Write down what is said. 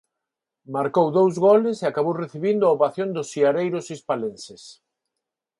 Marcou dous goles e acabou recibindo a ovación dos seareiros hispalenses.